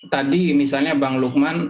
tadi misalnya bang lukman